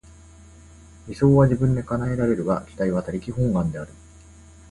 理想は自分で叶えられるが、期待は他力本願である。